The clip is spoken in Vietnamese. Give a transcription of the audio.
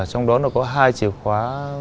trong đó nó có hai chìa khóa